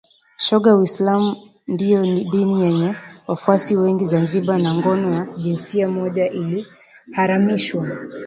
shoga Uislam ndio dini yenye wafuasi wengi Zanzibar na ngono ya jinsia moja iliharamishwa